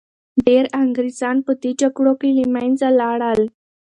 ډیر انګریزان په دې جګړو کي له منځه لاړل.